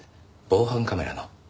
防犯カメラの。